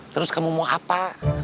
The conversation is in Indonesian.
terus kamu mau apa